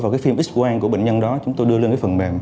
khi x quang của bệnh nhân đó chúng tôi đưa lên cái phần mềm